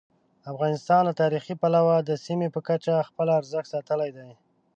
افغانستان له تاریخي پلوه د سیمې په کچه خپل ارزښت ساتلی دی.